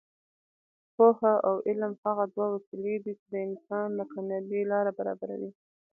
پوهه او علم هغه دوه وسلې دي چې د انسان د کامیابۍ لاره برابروي.